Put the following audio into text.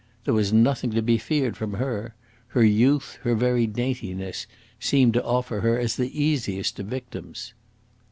There was nothing to be feared from her. Her youth, her very daintiness, seemed to offer her as the easiest of victims.